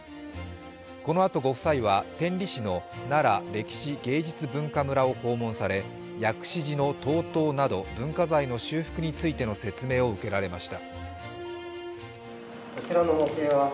このあとご夫妻は、天理市のなら歴史芸術文化村を訪問され、薬師寺の東塔など文化財の修復についての説明を受けられました。